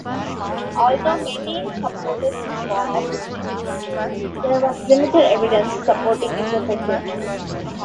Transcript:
Although many supported this form of instruction, there was limited evidence supporting its effectiveness.